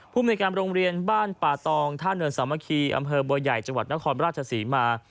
ภูมิในการโรงเรียนบ้านป่าตองท่าเนินสามัคคีอำเภอบัวใหญ่จังหวัดนครราชศรีมา